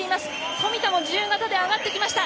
富田も自由形で上がってきました。